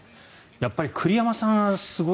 やっぱり、栗山さんすごい。